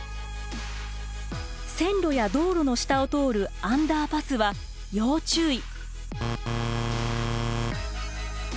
線路や道路の下を通るアンダーパスは要注意。